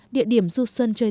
địa điểm du xuân chơi tết của tết